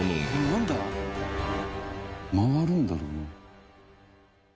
回るんだろうな。